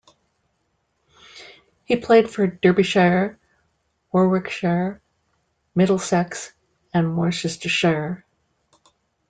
He played for Derbyshire, Warwickshire, Middlesex and Worcestershire.